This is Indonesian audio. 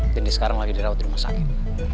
dan dia sekarang lagi dirawat rumah sakit